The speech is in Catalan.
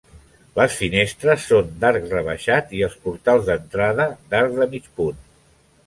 Les finestres són d'arc rebaixat i els portals d'entrada d'arc de mig punt.